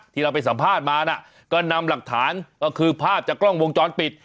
เราไปสัมภาษณ์มานะก็นำหลักฐานก็คือภาพจากกล้องวงจรปิด